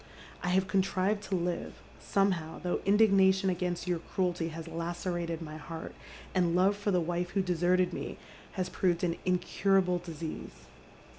I have contnvea to live, somehow, thougli indignation against your cruelty has lacerated my heaii, and love for the wife who deserted me has proved an incurahle disease.